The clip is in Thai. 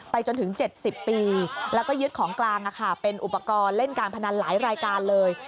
จนถึง๗๐ปีแล้วก็ยึดของกลางเป็นอุปกรณ์เล่นการพนันหลายรายการเลย